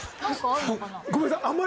ごめんなさい。